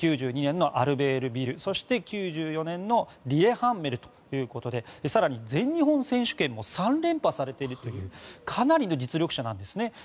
９２年のアルベールビル９４年のリレハンメルということで更に、全日本選手権も３連覇されているというかなりの実力者なんですね。